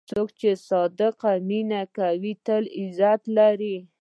څوک چې صادق مینه کوي، تل عزت لري.